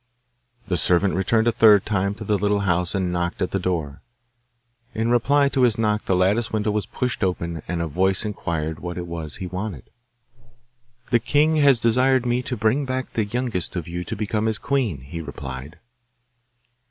The servant returned a third time to the little house and knocked at the door. In reply to his knock the lattice window was pushed open, and a voice inquired what it was he wanted. 'The king has desired me to bring back the youngest of you to become his queen,' he replied.